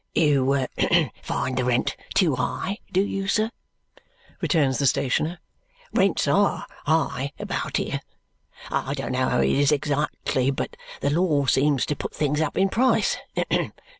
"You find the rent too high, do you, sir?" returns the stationer. "Rents ARE high about here. I don't know how it is exactly, but the law seems to put things up in price.